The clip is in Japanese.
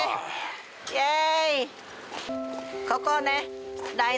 イエーイ。